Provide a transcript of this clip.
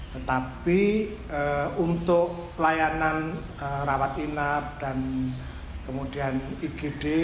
tetapi untuk pelayanan rawat inap dan kemudian igd